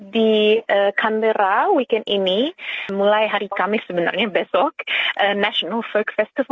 di camera weekend ini mulai hari kamis sebenarnya besok national firk festival